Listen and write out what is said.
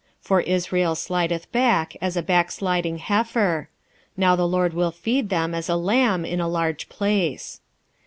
4:16 For Israel slideth back as a backsliding heifer: now the LORD will feed them as a lamb in a large place.